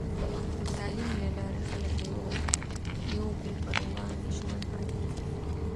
د تعلیم له لارې، خلک د یو بل پر وړاندې ژمن پاتې کېږي.